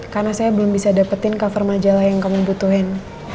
karena saya belum bisa dapetin cover majalah yang kamu butuhin